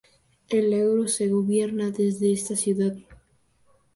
El euro se gobierna desde esta ciudad.